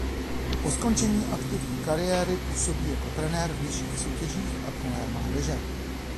Po skončení aktivní kariéry působí jako trenér v nižších soutěžích a trenér mládeže.